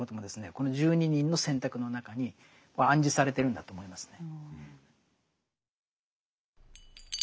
この十二人の選択の中には暗示されてるんだと思いますね。